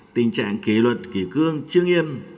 tình trạng kỷ luật kỷ cương chương nghiêm